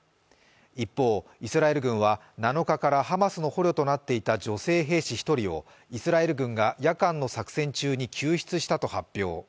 一方、イスラエル軍は７日からハマスの捕虜となっていた女性兵士１人をイスラエル軍が夜間の作戦中に救出したと発表。